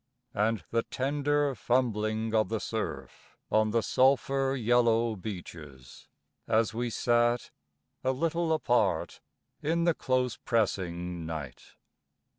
And the tender fumbling of the surf On the sulphur yellow beaches As we sat... a little apart... in the close pressing night.